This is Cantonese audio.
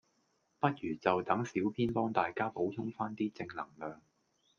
不如就等小編幫大家補充返啲正能量